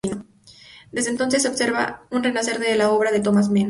Desde entonces, se observa un renacer de la obra de Thomas Mann.